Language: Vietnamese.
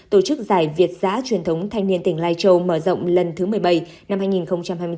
tổ chức giải việt giã truyền thống thanh niên tỉnh lai châu mở rộng lần thứ một mươi bảy năm hai nghìn hai mươi bốn